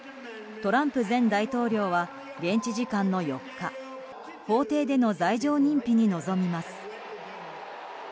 トランプ前大統領は現地時間の４日法廷での罪状認否に臨みます。